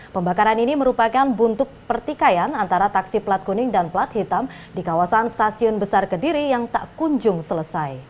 pembakaran ini merupakan buntut pertikaian antara taksi pelat kuning dan plat hitam di kawasan stasiun besar kediri yang tak kunjung selesai